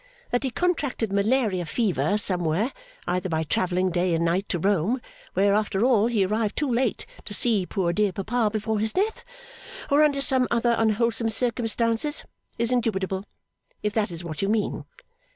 That he contracted Malaria Fever somewhere, either by travelling day and night to Rome, where, after all, he arrived too late to see poor dear papa before his death or under some other unwholesome circumstances is indubitable, if that is what you mean.